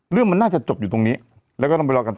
เรื่องมันน่าจะจบอยู่ตรงนี้แล้วก็ต้องไปรอกันต่อ